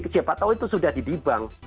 siapa tahu itu sudah didibang